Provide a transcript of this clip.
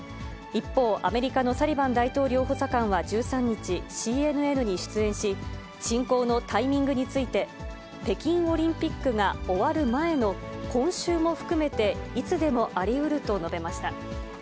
一方、アメリカのサリバン大統領補佐官は１３日、ＣＮＮに出演し、侵攻のタイミングについて、北京オリンピックが終わる前の今週も含めて、いつでもありうると述べました。